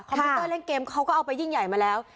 พิวเตอร์เล่นเกมเขาก็เอาไปยิ่งใหญ่มาแล้ว